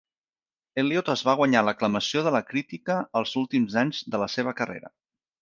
Elliott es va guanyar l'aclamació de la crítica els últims anys de la seva carrera.